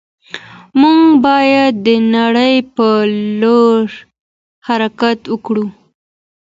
موږ بايد د رڼا په لور حرکت وکړو.